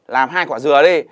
làm hai quả dừa đi